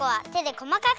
こまかく。